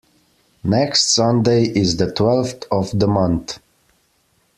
Next Sunday is the twelfth of the month.